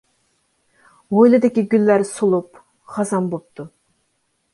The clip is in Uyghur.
ھويلىدىكى گۈللەر سولۇپ خازان بوپتۇ.